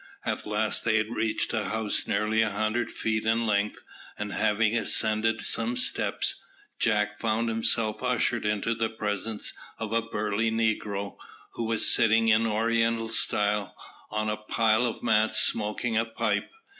At last they reached a house nearly a hundred feet in length, and, having ascended some steps, Jack found himself ushered into the presence of a burly negro, who was sitting in oriental style on a pile of mats smoking a pipe.